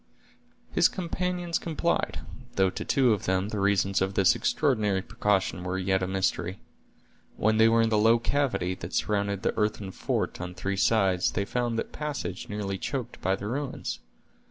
His companions complied, though to two of them the reasons of this extraordinary precaution were yet a mystery. When they were in the low cavity that surrounded the earthen fort on three sides, they found that passage nearly choked by the ruins.